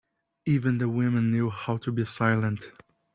Even the women knew how to be silent.